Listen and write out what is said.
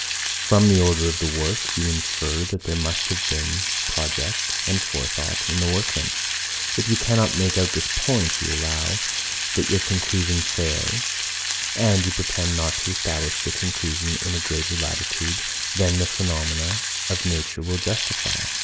From the order of the work, you infer, that there must have been project and forethought in the workman. If you cannot make out this point, you allow, that your conclusion fails; and you pretend not to establish the conclusion in a greater latitude than the phenomena of nature will justify.